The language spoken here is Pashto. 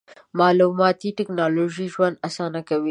مالوماتي ټکنالوژي ژوند اسانه کوي.